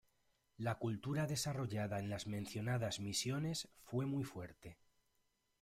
La cultura desarrollada en las mencionadas misiones fue muy fuerte.